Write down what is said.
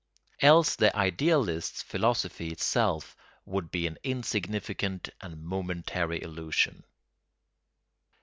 Else the idealist's philosophy itself would be an insignificant and momentary illusion.